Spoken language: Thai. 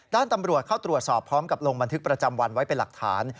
ด้านตำรวจเข้าตรวจสอบพร้อมกับลงบันทึกประจำวันไว้เป็นหลักฐาน